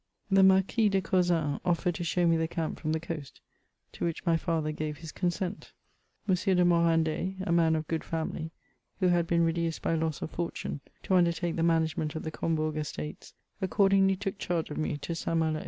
The Marquis de Causans offered to show me the camp from the coast, to winch my father gave his consent. g^^ M. de Morandais, a man of good famuy, who had been reduced, by loss of fortune, to undertake the management of the Combourg estates, accordingly took charge of me to St. Malo.